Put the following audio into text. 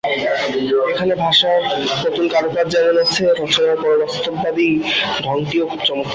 এখানে ভাষার নতুন কারুকাজ যেমন আছে, রচনার পরাবাস্তববাদী ঢংটিও খুব চমৎকার।